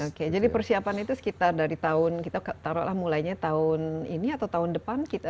oke jadi persiapan itu sekitar dari tahun kita taruhlah mulainya tahun ini atau tahun depan